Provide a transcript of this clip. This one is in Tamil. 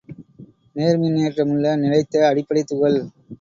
நேர்மின்னேற்றமுள்ள நிலைத்த அடிப்படைத்துகள்.